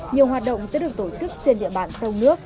nhiều hoạt động sẽ được tổ chức trên địa bàn sông nước